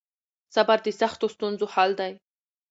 صبر د سختو ستونزو حل دی.